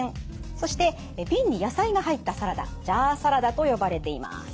そして瓶に野菜が入ったサラダジャーサラダと呼ばれています。